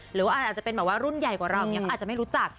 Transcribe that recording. หรืออาจจะเป็นรุ่นใหญ่กว่าเรายังอาจจะไม่รู้จัก